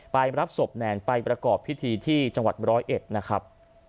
ไปรับศพแนนไปประกอบพิธีที่จังหวัดร้อยเอ็ดนะครับ